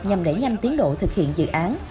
nhằm đẩy nhanh tiến độ thực hiện dự án